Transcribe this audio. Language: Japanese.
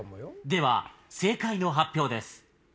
では正解の発表です。